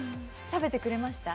食べてくれました？